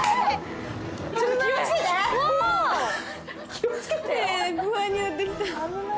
気を付けてよ。